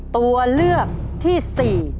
ตัวเลือกที่๔